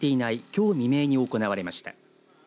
きょう未明に行われました。